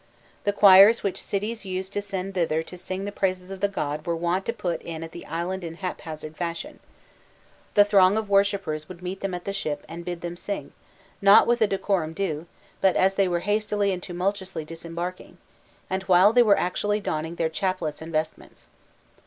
The choirs which cities used to send thither to sing the praises of the god were wont to put in at the island in haphazard fashion, The throng of worshippers would meet them at the ship and bid them sing, not with the decorum due, but as they were hastily and tumultuously disembarking, and while they were actually donning their chaplcts and vestments.